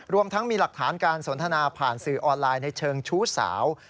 รวมทั้งมีหลักฐานการสนทนาผ่านสื่อออนไลน์ในเชิงชู้สาว